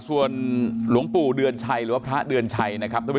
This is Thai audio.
ส่วนหลวงปู่เดือนชัยพระเดือนชัย